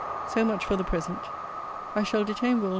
So much for the present. I shall detain Will.